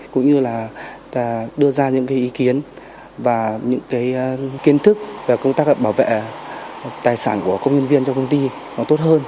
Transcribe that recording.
cũng như là đưa ra những ý kiến và những kiến thức về công tác bảo vệ tài sản của công nhân viên trong công ty tốt hơn